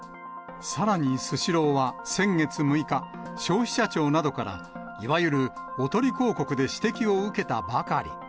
さらに、スシローは先月６日、消費者庁などから、いわゆるおとり広告で指摘を受けたばかり。